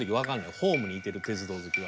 ホームにいてる鉄道好きは。